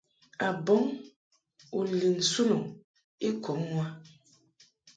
A bɔŋ u lin nsun u I kɔŋ u a.